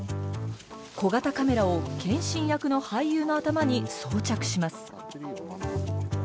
小型カメラを謙信役の俳優の頭に装着します。